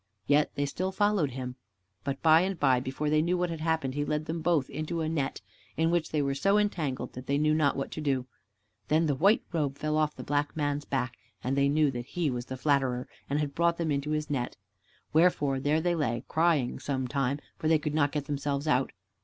Yet they still followed him. But by and by before they knew what had happened, he led them both into a net, in which they were so entangled that they knew not what to do. Then the white robe fell off the black man's back, and they knew that he was the Flatterer and had brought them into his net. Wherefore there they lay, crying some time, for they could not get themselves out.